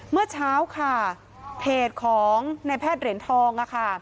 เมื่อเช้าเหตุของในแพทย์เหรียญทอง